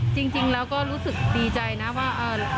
จริงแล้วก็รู้สึกดีใจนะว่า